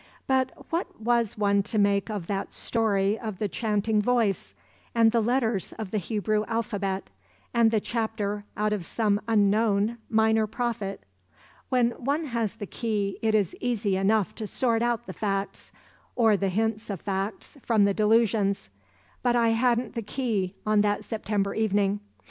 But what was one to make of that story of the chanting voice, and the letters of the Hebrew alphabet, and the chapter out of some unknown Minor Prophet? When one has the key it is easy enough to sort out the facts, or the hints of facts from the delusions; but I hadn't the key on that September evening.